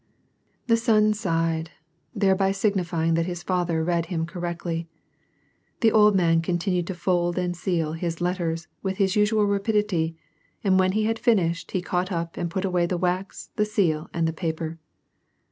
The son sighed, thereby signifying that his father read him correctly. The old man continued to fold and seal his letters with his usual rapidity, and when he had finished ' he caught up and put away the wax, the seal, and the paper.